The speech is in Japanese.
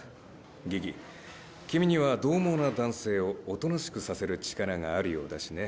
ギギ君には獰猛な男性をおとなしくさせる力があるようだしね。